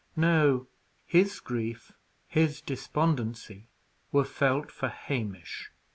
No; his grief, his despondency were felt for Hamish.